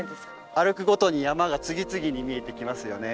歩くごとに山が次々に見えてきますよね。